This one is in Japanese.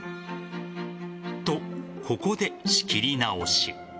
と、ここで仕切り直し。